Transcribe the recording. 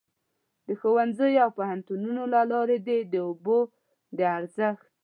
د ښوونځیو او پوهنتونونو له لارې دې د اوبو د ارزښت.